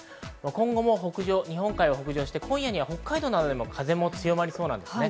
今後も北上、日本海を北上して今夜には北海道などでも風が強まりそうです。